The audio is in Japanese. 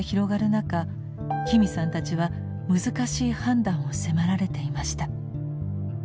中紀美さんたちは難しい判断を迫られていました。